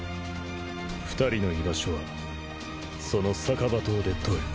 ２人の居場所はその逆刃刀で問え。